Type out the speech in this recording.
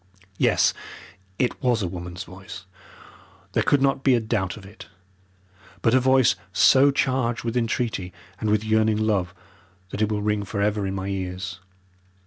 Yes, it was a woman's voice; there could not be a doubt of it. But a voice so charged with entreaty and with yearning love, that it will ring for ever in my ears.